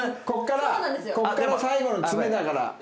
ここからここから最後の詰めだから。